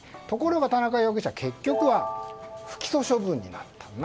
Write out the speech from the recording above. ところが、田中容疑者結局は不起訴処分になった。